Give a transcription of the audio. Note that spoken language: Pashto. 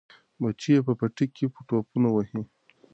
بچي یې په پټي کې ټوپونه وهي.